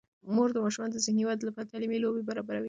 مور د ماشومانو د ذهني ودې لپاره تعلیمي لوبې برابروي.